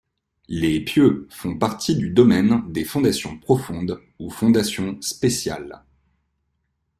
Les pieux font partie du domaine des fondations profondes ou fondations spéciales.